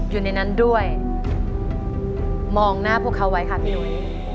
อยู่ในนั้นด้วยมองหน้าพวกเขาไว้ค่ะพี่หนุ้ย